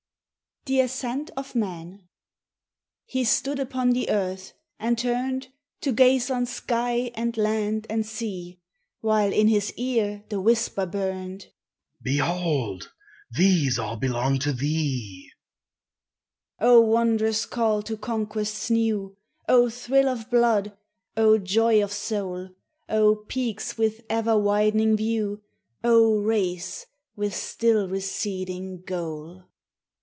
THE ASCENT OF MAN. He stood upon the earth, and turned To gaze on sky and land and sea, TIME. 203 While in his ear the whisper burned, " Behold, these all belong to thee !" O wondrous call to conquests new! O thrill of blood ! O joy of Soul ! O peaks with ever widening view ! O race, with still receding goal